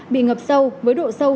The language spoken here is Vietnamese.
bị ngập sâu với độ sâu